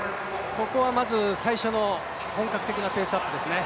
ここはまず最初の本格的なペースアップですね。